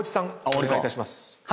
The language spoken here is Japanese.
お願いいたします。